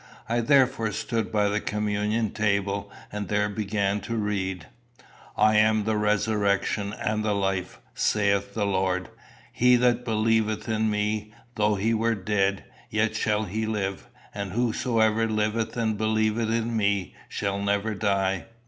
I therefore stood by the communion table, and there began to read, "I am the resurrection and the life, saith the Lord: he that believeth in me, though he were dead, yet shall he live: and whosoever liveth and believeth in me shall never die."